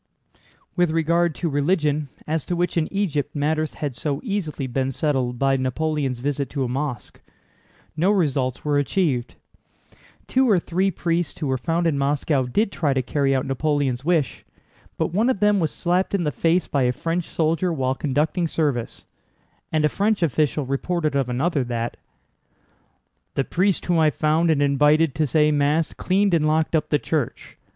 With regard to religion, as to which in Egypt matters had so easily been settled by Napoleon's visit to a mosque, no results were achieved. Two or three priests who were found in Moscow did try to carry out Napoleon's wish, but one of them was slapped in the face by a French soldier while conducting service, and a French official reported of another that: "The priest whom I found and invited to say Mass cleaned and locked up the church.